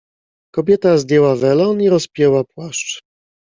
"Kobieta zdjęła welon i rozpięła płaszcz."